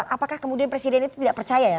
apakah kemudian presiden itu tidak percaya ya